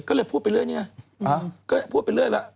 ก็เลยพูดไปเรื่อยเนี่ย